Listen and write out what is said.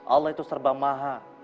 allah itu serba maha